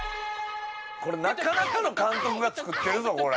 これなかなかの監督が作ってるぞこれ。